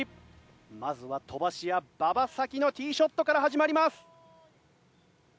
まずは飛ばし屋馬場咲希のティーショットから始まります。